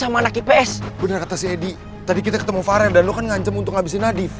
mulai suka aku sama temen kau ini